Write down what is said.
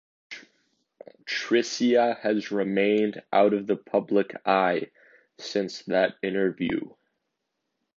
Tricia has remained out of the public eye since that interview.